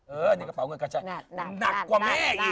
เออในกระเป๋าเงินกันใช่หนักกว่าแม่อีกนี่